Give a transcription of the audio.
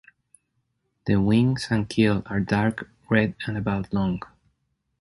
The wings and keel are dark red and about long.